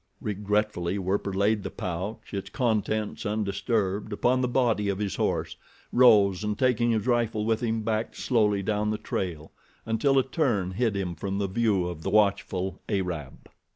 Regretfully Werper laid the pouch, its contents undisturbed, upon the body of his horse, rose, and taking his rifle with him, backed slowly down the trail until a turn hid him from the view of the watchful Arab.